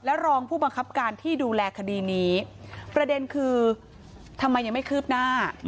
รองผู้บังคับการที่ดูแลคดีนี้ประเด็นคือทำไมยังไม่คืบหน้า